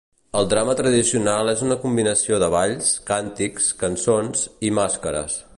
El drama tradicional és una combinació de balls, càntics, cançons, i màscares.